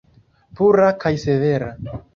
Pura kaj severa.